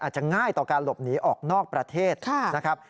อาจจะง่ายต่อการหลบหนีออกนอกประเทศนะครับ